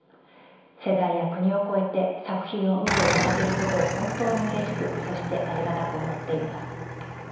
世代や国を超えて作品を見ていただけることを本当にうれしくそしてありがたく思っています。